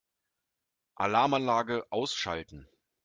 Alarmanlage ausschalten.